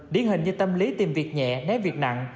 điển hình như tâm lý tìm việc nhẹ né việc nặng